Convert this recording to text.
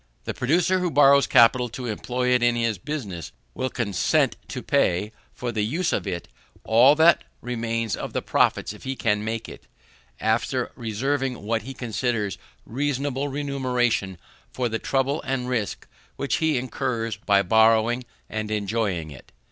The producer who borrows capital to employ it in his business, will consent to pay, for the use of it, all that remains of the profits he can make by it, after reserving what he considers reasonable remuneration for the trouble and risk which he incurs by borrowing and employing it.